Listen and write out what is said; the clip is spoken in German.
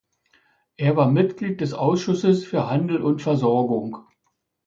Er war Mitglied des Ausschusses für Handel und Versorgung.